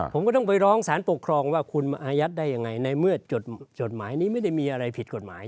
ผมก็ต้องไปร้องสารปกครองว่าคุณอายัดได้ยังไงในเมื่อจดหมายนี้ไม่ได้มีอะไรผิดกฎหมาย